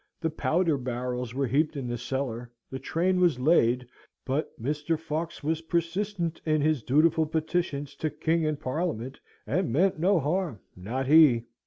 The powder barrels were heaped in the cellar, the train was laid, but Mr. Fawkes was persistent in his dutiful petitions to King and Parliament and meant no harm, not he!